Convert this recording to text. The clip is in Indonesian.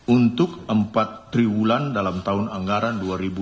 untuk empat triwulan dalam tahun anggaran dua ribu dua puluh